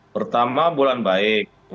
pertama bulan baik